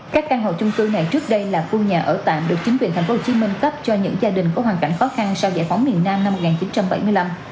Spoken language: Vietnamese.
các căn hộ chung cư này trước đây là khu nhà ở tạm được chính quyền tp hcm cấp cho những gia đình có hoàn cảnh khó khăn sau giải phóng miền nam năm một nghìn chín trăm bảy mươi năm